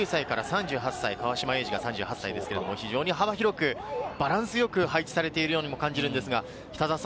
年齢でもいいますと、今回は１９歳から３８歳、川島永嗣が３８歳ですが、非常に幅広くバランスよく配置されているようにも感じられますが。